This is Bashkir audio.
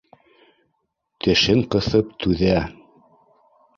Тешен ҡыҫып түҙә